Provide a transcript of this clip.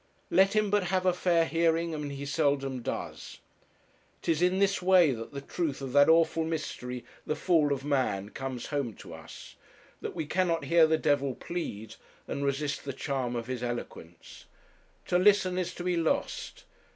Let him but have a fair hearing, and he seldom does. 'Tis in this way that the truth of that awful mystery, the fall of man, comes home to us; that we cannot hear the devil plead, and resist the charm of his eloquence. To listen is to be lost.